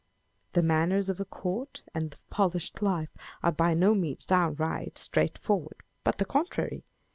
The manners of a court and of polished life are by no means downright, straightforward, but the contrary.